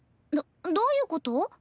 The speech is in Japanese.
どどういうこと？